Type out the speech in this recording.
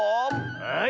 はい。